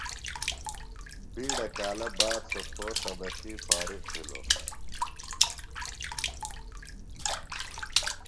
بِیڈہ کالہ باد سوۡ پھو سبقی فارغ بِھلوۡ۔